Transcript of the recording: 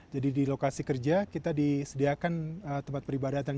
jadi di lokasi kerja kita disediakan tempat peribadatan